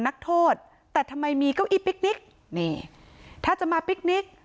นักโทษแต่ทำไมมีเก้าอี้ปิ๊กนิกนี่ถ้าจะมาปิ๊กนิก